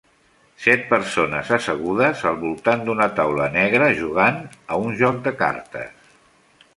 Set persones assegudes al voltant d'una taula negra jugant a un joc de cartes